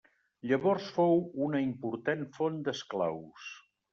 Llavors fou una important font d'esclaus.